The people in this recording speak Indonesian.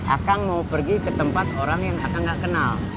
akang mau pergi ke tempat orang yang akang gak kenal